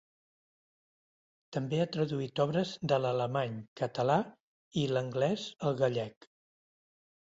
També ha traduït obres de l'alemany, català i l'anglès al gallec.